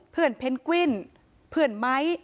เพื่อนเพนกวินเพื่อนไม้